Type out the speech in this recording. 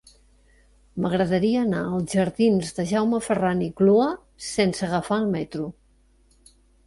M'agradaria anar als jardins de Jaume Ferran i Clua sense agafar el metro.